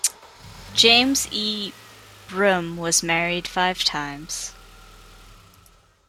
James E. Broome was married five times.